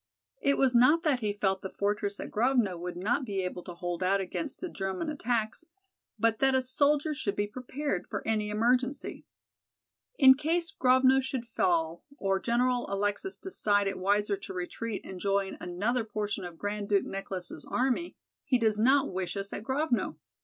It was not that he felt the fortress at Grovno would not be able to hold out against the German attacks, but that a soldier should be prepared for any emergency. In case Grovno should fall, or General Alexis decide it wiser to retreat and join another portion of Grand Duke Nicholas' army, he does not wish us at Grovno.